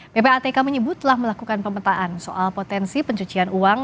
ppatk menyebut telah melakukan pemetaan soal potensi pencucian uang